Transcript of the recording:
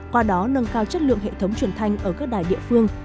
qua đó nâng cao chất lượng hệ thống truyền thanh ở các đài địa phương